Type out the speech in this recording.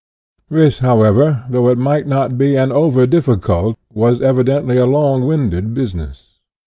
This, however, though it might not be an over difficult, was evidently a long winded, business.